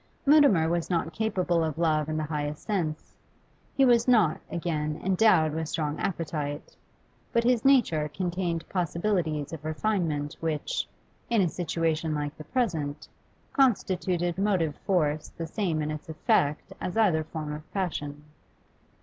Mutimer was not capable of love in the highest sense; he was not, again, endowed with strong appetite; but his nature contained possibilities of refinement which, in a situation like the present, constituted motive force the same in its effects as either form of passion.